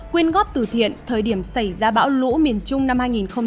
quyên góp từ thiện thời điểm xảy ra bão lũ miền trung năm hai nghìn hai mươi